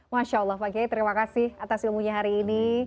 masya allah pak kiai terima kasih atas ilmunya hari ini